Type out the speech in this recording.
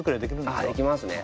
できますね。